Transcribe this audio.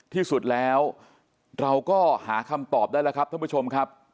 ที่สุดเราก็หาคำตอบได้ละครับทุกผู้ชม